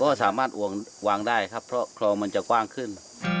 ก็สามารถวางได้ครับเพราะคลองมันจะกว้างขึ้น